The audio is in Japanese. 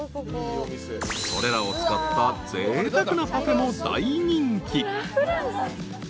［これらを使ったぜいたくなパフェも大人気］